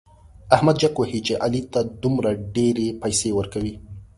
احمد جک وهي چې علي ته دومره ډېرې پيسې ورکوي.